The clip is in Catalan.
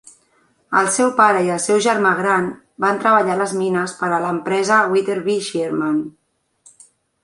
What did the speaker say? El seu pare i el seu germà gran van treballar a les mines per a l'empresa Witherbee Sherman.